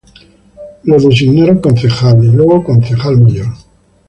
Fue designado concejal y luego concejal mayor.